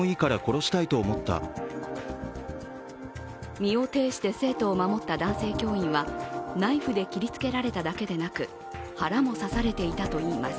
身をていして生徒を守った男性教員はナイフで切りつけられただけでなく腹も刺されていたといいます。